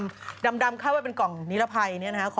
อือดำเข้าไว้เป็นกล่องนิรภัย